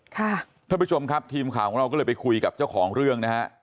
ท่านผู้ชมครับทีมข่าวของเราก็เลยไปคุยกับเจ้าของเรื่องนะฮะ